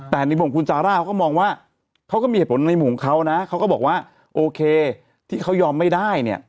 แต่ในมุมคุณซาร่าเขาก็มองว่าเขาก็มีเหตุผลในมุมของเขานะเขาก็บอกว่าโอเคที่เขายอมไม่ได้เนี่ย